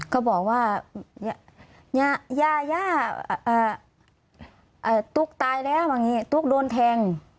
เขาบอกว่าย่าตุ๊กตายแล้วตุ๊กโดนแทง